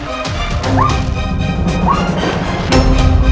kalau lagi jagain rumah itu